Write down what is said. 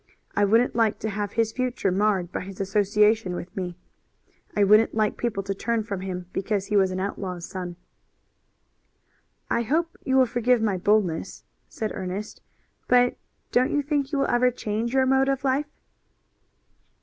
I wouldn't like to have his future marred by his association with me. I wouldn't like people to turn from him because he was an outlaw's son." "I hope you will forgive my boldness," said Ernest, "but don't you think you will ever change your mode of life?"